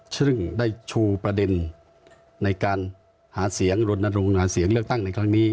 ซึ่งได้ชูประเด็นในการหาเสียงรณรงค์หาเสียงเลือกตั้งในครั้งนี้